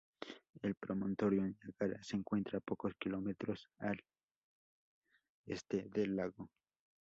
El promontorio Niágara se encuentra a pocos kilómetros al este del lago.